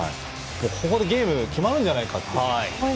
ここでゲームが決まるんじゃないかと思いました。